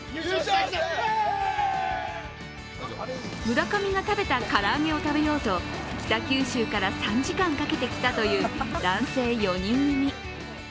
村上が食べたから揚げを食べようと北九州から３時間かけて来たという男性４人組。